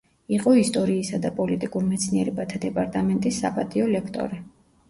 იყო ისტორიისა და პოლიტიკურ მეცნიერებათა დეპარტამენტის საპატიო ლექტორი.